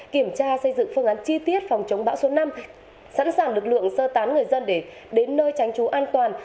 kiểm tra xây dựng phương án chi tiết phòng chống bão số năm sẵn sàng lực lượng sơ tán người dân để đến nơi tránh trú an toàn